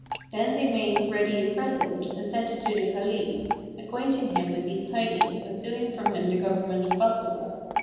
Then they made ready a present and sent it to the Caliph, acquainting him with these tidings and suing from him the government of Bassorah.